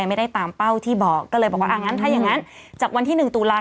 ไม่ได้ตามเป้าที่บอกก็เลยบอกว่าอ่างั้นถ้าอย่างงั้นจากวันที่๑ตุลาค